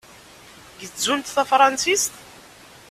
Gezzunt tafṛensit?